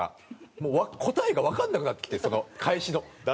もう答えがわかんなくなってきて返しの。